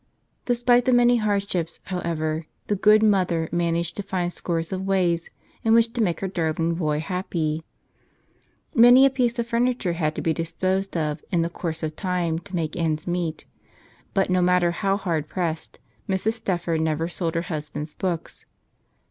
Despite the many hardships, however, the good mother managed to find scores of ways in which to make her darling boy happy. Many a piece of furniture had to be disposed of in the course of time to make ends meet; but no matter how hard pressed, Mrs. Steffer never sold her husband's books.